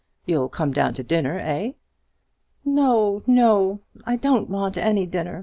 You'll come down to dinner, eh?" "No, no; I don't want any dinner.